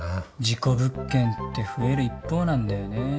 事故物件って増える一方なんだよね。